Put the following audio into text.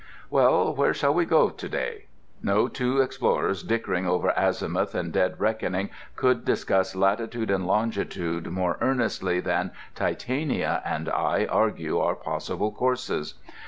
Well, where shall we go to day? No two explorers dickering over azimuth and dead reckoning could discuss latitude and longitude more earnestly than Titania and I argue our possible courses.